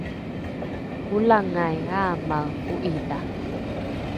olangai aamae o ’idha